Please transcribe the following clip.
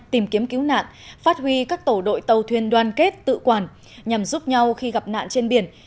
tìm kiếm cứu nạn phát huy các tổ đội tàu thuyền đoan kết tự quản nhằm giúp nhau khi gặp nạn trên biển